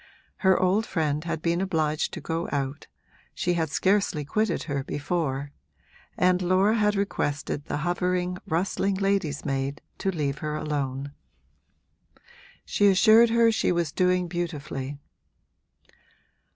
Her old friend had been obliged to go out she had scarcely quitted her before and Laura had requested the hovering, rustling lady's maid to leave her alone: she assured her she was doing beautifully.